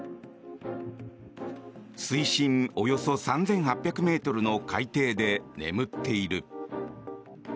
水深およそ３８００ｍの海底で眠っている。